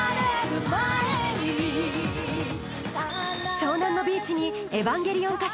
湘南のビーチにエヴァンゲリオン歌手